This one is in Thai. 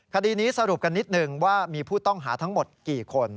คดีนี้สรุปกันนิดนึงว่ามีผู้ต้องหาทั้งหมดกี่คน